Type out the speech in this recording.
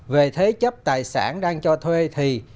về thế chấp tài sản đang cho thuê thì